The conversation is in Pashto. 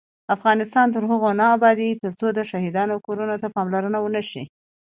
افغانستان تر هغو نه ابادیږي، ترڅو د شهیدانو کورنیو ته پاملرنه ونشي.